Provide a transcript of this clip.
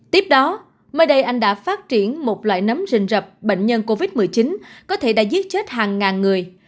tiếp đó mới đây anh đã phát triển một loại nấm rình rập bệnh nhân covid một mươi chín có thể đã giết chết hàng ngàn người